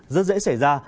rất dễ xảy ra